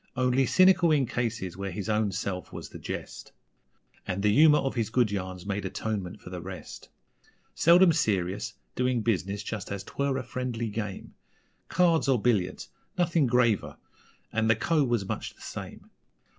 Only cynical in cases where his own self was the jest, And the humour of his good yarns made atonement for the rest. Seldom serious doing business just as 'twere a friendly game Cards or billiards nothing graver. And the Co. was much the same.